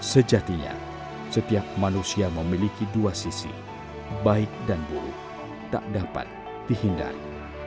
sejatinya setiap manusia memiliki dua sisi baik dan buruk tak dapat dihindari